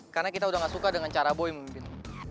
karena kita udah gak suka dengan cara boy memimpin